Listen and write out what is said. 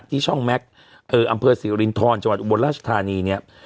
ที่ช่องแม็กซ์อำเภอสิรินทรจังหวัดอุบลราชธานีเนี่ย